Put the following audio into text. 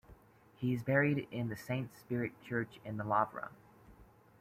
He is buried in the Saint Spirit Church in the Lavra.